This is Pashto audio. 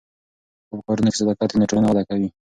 که په کارونو کې صداقت وي نو ټولنه وده کوي.